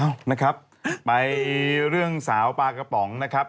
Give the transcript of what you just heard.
เอ้านะครับไปเรื่องสาวปลากระป๋องนะครับ